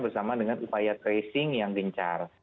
bersama dengan upaya tracing yang gencar